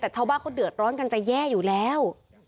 แต่ชาวบ้านเขาเดือดร้อนกันจะแย่อยู่แล้ว